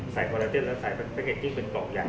ใส่กราเจ็ตแล้วใส่แพ็กเกจจิ้งเป็นกล่องใหญ่